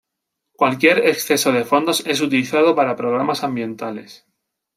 Cualquier exceso de fondos es utilizado para programas ambientales.